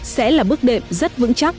sẽ là bước đệm rất vững chắc